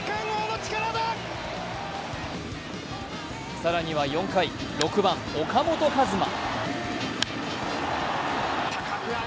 更には４回、６番・岡本和真。